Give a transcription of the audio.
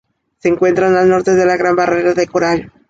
Se encuentra al norte de la Gran Barrera de Coral.